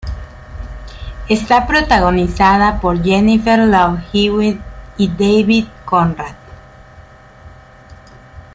Está protagonizada por Jennifer Love Hewitt y David Conrad.